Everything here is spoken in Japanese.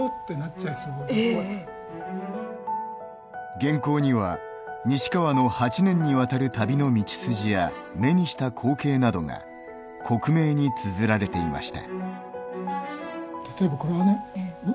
原稿には西川の８年にわたる旅の道筋や目にした光景などが克明につづられていました。